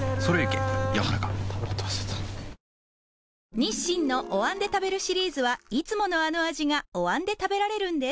日清のお椀で食べるシリーズはいつものあの味がお椀で食べられるんです